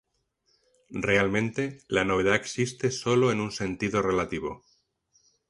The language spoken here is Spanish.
Realmente, la novedad existe sólo en un sentido relativo.